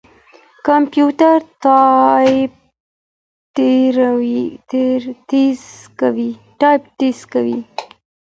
کمپيوټر ټايپ تېز کوي.